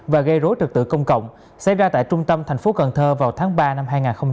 và gây rối trật tự công cộng xảy ra tại trung tâm thành phố cần thơ vào tháng ba năm hai nghìn hai mươi ba